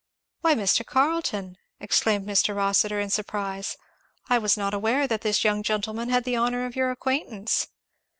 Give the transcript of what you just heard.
"Why, Mr. Carleton," exclaimed Mr. Rossitur in surprise, "I was not aware that this young gentleman had the honour of your acquaintance."